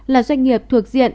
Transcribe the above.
là doanh nghiệp thuộc diện